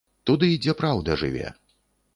Туды, дзе праўда жыве!